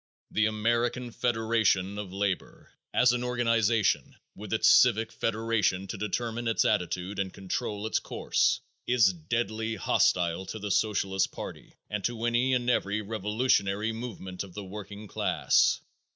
The American Federation of Labor, as an organization, with its Civic federation to determine its attitude and control its course, is deadly hostile to the Socialist party and to any and every revolutionary movement of the working class.